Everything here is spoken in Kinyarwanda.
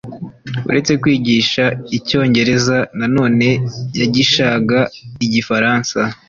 uretse kwigisha icyongereza nanone yagishaga igifaransa